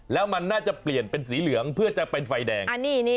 แล้วมันน่าจะเปลี่ยนเป็นสีเหลืองเพื่อจะเป็นไฟแดง